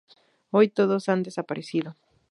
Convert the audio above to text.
Hoy todos han desaparecido.